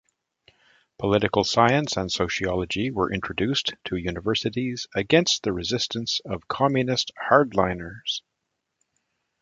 Political science and sociology were introduced to universities against the resistance of communist hardliners.